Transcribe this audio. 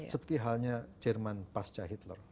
seperti halnya jerman pasca hitler